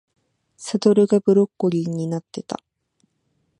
サドルがブロッコリーになってた